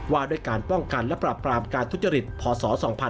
ว่าด้วยการป้องกันและปรับปรามการทุจริตพศ๒๕๖๒